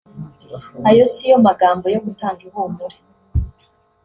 Ayo siyo magambo yo gutanga ihumure